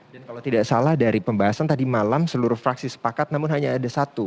dan kalau tidak salah dari pembahasan tadi malam seluruh fraksi sepakat namun hanya ada satu